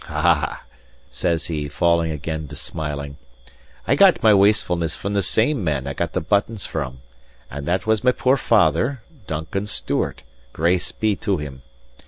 "Ah!" says he, falling again to smiling, "I got my wastefulness from the same man I got the buttons from; and that was my poor father, Duncan Stewart, grace be to him!